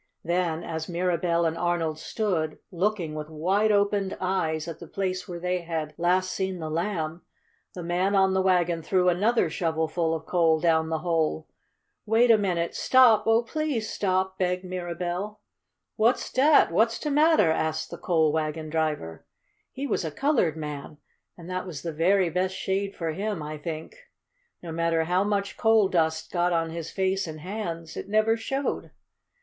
Then as Mirabell and Arnold stood, looking with wide opened eyes at the place where they had last seen the Lamb, the man on the wagon threw another shovelful of coal down the hole. "Wait a minute! Stop! Oh, please stop!" begged Mirabell. "Whut's dat? Whut's de mattah?" asked the coal wagon driver. He was a colored man, and that was the very best shade for him, I think. No matter how much coal dust got on his face and hands it never showed.